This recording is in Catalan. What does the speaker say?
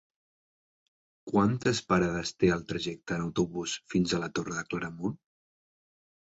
Quantes parades té el trajecte en autobús fins a la Torre de Claramunt?